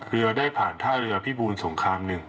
เรือได้ผ่านท่าเรือพิบูลสงคราม๑